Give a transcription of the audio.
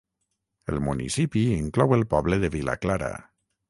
El municipi inclou el poble de Vilaclara.